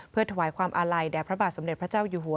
เพื่อถวายความอาลัยแด่พระบาทสมเด็จพระเจ้าอยู่หัว